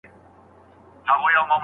د نجلۍ کورنۍ باید بې ارزښته ونه ګڼل سي.